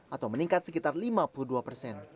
atau meningkat sekitar lima puluh dua persen